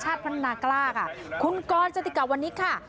พัฒนากล้าค่ะคุณกรจติกาวันนี้ค่ะ